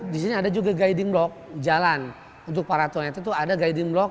di sini ada juga guiding block jalan untuk para tunanetra itu ada guiding block